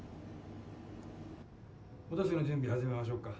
おだしの準備始めましょうか。